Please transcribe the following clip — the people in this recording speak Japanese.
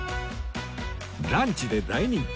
ランチで大人気